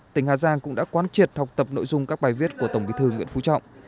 tỉnh hà giang cũng đã quan triệt học tập nội dung các bài viết của tổng bí thư nguyễn phú trọng